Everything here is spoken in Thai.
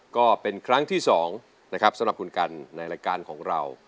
ก็เป็นครั้งที่๒นะครับสำหรับคุณกันในรายการของเรา